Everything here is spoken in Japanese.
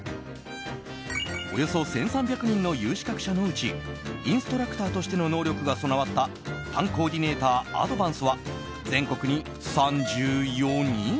およそ１３００人の有資格者のうちインストラクターとしての能力が備わったパンコーディネーターアドバンスは、全国に３４人。